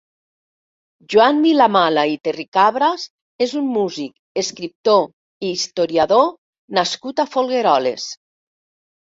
Joan Vilamala i Terricabras és un músic, escriptor i historiador nascut a Folgueroles.